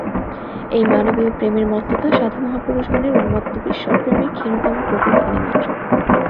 এই মানবীয় প্রেমের মত্ততা সাধুমহাপুরুষগণের উন্মত্ত ঈশ্বরপ্রেমের ক্ষীণতম প্রতিধ্বনি মাত্র।